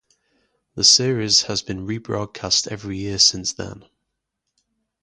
The series has been rebroadcast every year since then.